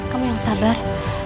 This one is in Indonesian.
kamu yang sabar